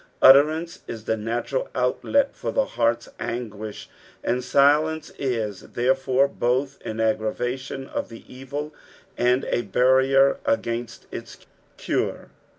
Utterance is the natural outlet for the heart's anguish, and silence is, therefore, both au aggravation of the evil and a barrier against its cure.